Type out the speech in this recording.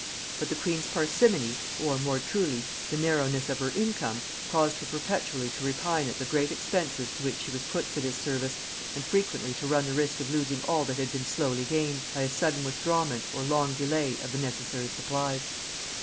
But the queen's parsimony, or, more truly, the narrowness of her income, caused her perpetually to repine at the great expenses to which she was put for this service, and frequently to run the risk of losing all that had been slowly gained, by a sudden withdrawment, or long delay, of the necessary supplies.